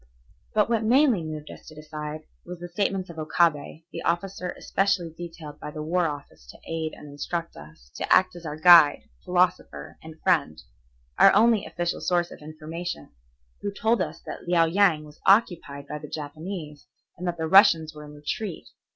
But what mainly moved us to decide, was the statements of Okabe, the officer especially detailed by the War Office to aid and instruct us, to act as our guide, philosopher, and friend, our only official source of information, who told us that Liao Yang was occupied by the Japanese and that the Russians were in retreat.